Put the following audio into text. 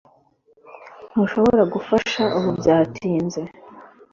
Ntushobora gufasha ubu Byatinze